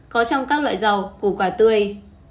có trong các loại dầu củ quả tươi